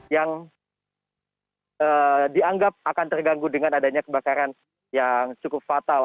yang dianggap akan terganggu dengan adanya kebakaran yang cukup fatal